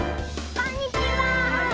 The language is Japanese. こんにちは。